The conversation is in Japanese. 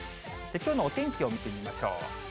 きょうのお天気を見てみましょう。